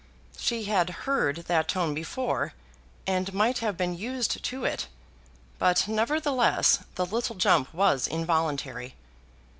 She had heard that tone before, and might have been used to it; but, nevertheless, the little jump was involuntary.